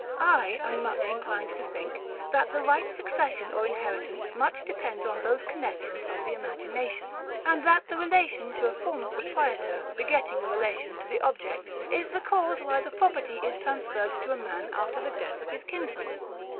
I am much inclined to think, that the right succession or inheritance much depends on those connexions of the imagination, and that the relation to a former proprietor begetting a relation to the object, is the cause why the property is transferred to a man after the death of his kinsman.